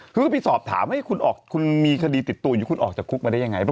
พรุวอกจะติดตัวแล้วคุณออกจากคุกได้ยังไง